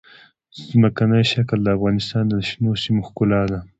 ځمکنی شکل د افغانستان د شنو سیمو ښکلا ده.